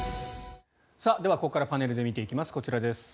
では、ここからパネルで見ていきます。